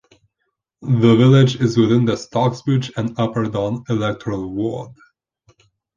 The village is within the Stocksbridge and Upper Don electoral ward.